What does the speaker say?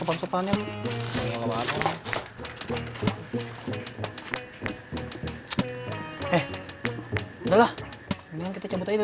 ibu perempuanirena sama kamu yang ana